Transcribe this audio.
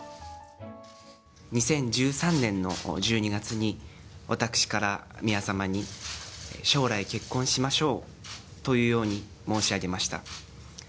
２０１３年の１２月に、私から宮様に、将来結婚しましょうというように申し上げました。